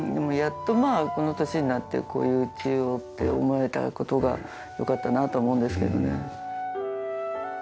やっとまあこの年になってこういう家をって思えた事がよかったなとは思うんですけどね。